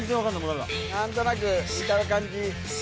何となく見た感じ